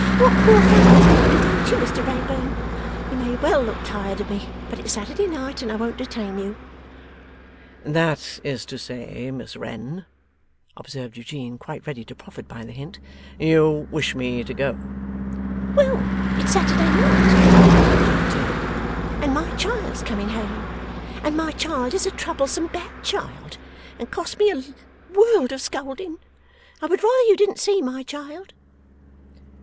'What poor fun you think me; don't you, Mr Wrayburn? You may well look tired of me. But it's Saturday night, and I won't detain you.' 'That is to say, Miss Wren,' observed Eugene, quite ready to profit by the hint, 'you wish me to go?' 'Well, it's Saturday night,' she returned, 'and my child's coming home. And my child is a troublesome bad child, and costs me a world of scolding. I would rather you didn't see my child.